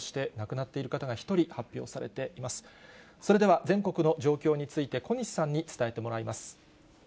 それでは全国の状況について、小西さんに伝えてもらいます。